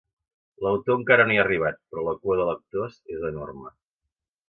L'autor encara no hi ha arribat, però la cua de lectors és enorme.